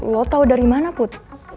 lo tau dari mana put